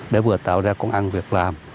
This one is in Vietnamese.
để vừa tạo ra công an việc làm